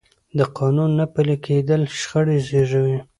د قانون نه پلي کېدل شخړې زېږوي